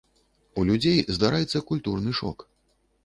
У людзей здараецца культурны шок.